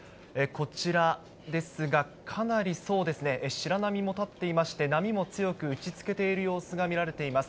こちらですが、かなりそうですね、白波も立っていまして、波も強く打ちつけている様子が見られています。